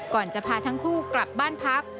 ก่อนจะพาทั้งคู่กลับบ้านพัก